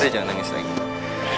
udah jangan nangis lagi